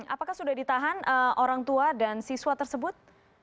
apakah sudah ditahan orang tua dan siswa tersebut